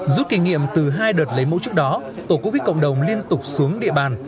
rút kinh nghiệm từ hai đợt lấy mẫu trước đó tổ covid cộng đồng liên tục xuống địa bàn